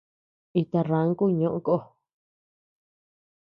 Ita ranku ñoʼo kó.